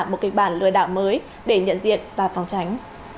một kịch bản lừa đảo mới để nhận diện và phòng tránh